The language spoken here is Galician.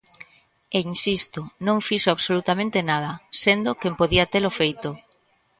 E insisto, non fixo absolutamente nada, sendo quen podía telo feito.